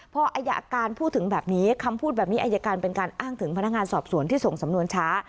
พออายการพูดถึงแบบนี้คำพูดแบบนี้อายการเป็นการอ้างถึงพนักงานสอบสวนที่ส่งสำนวนช้า